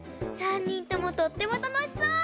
３にんともとってもたのしそう！